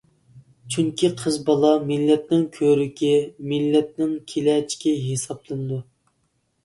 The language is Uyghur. چۈنكى، قىز بالا مىللەتنىڭ كۆۋرۈكى، مىللەتنىڭ كېلەچىكى ھېسابلىنىدۇ.